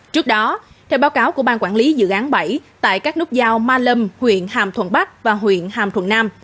trước đó theo báo cáo của ban quản lý dự án bảy tại các nút giao ma lâm huyện hàm thuận bắc và huyện hàm thuận nam